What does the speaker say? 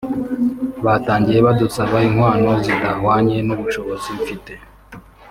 batangiye badusaba inkwano zidahwanye n’ubushozi mfite